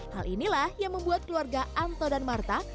hal inilah yang membuat keluarga anto dan marta